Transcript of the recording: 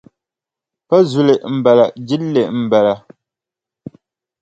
Pa zuli m-bala jilli m-bala.